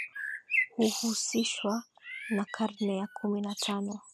huhusishwa na karne ya kumi na tano